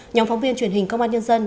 nhóm phóng viên truyền hình công an nhân dân